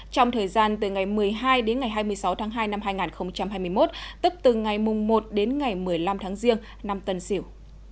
trong thời gian từ ngày một mươi hai đến ngày hai mươi sáu tháng hai năm hai nghìn hai mươi một tức từ ngày một đến ngày một mươi năm tháng riêng năm tân siểu